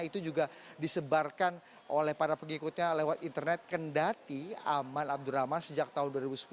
itu juga disebarkan oleh para pengikutnya lewat internet kendati aman abdurrahman sejak tahun dua ribu sepuluh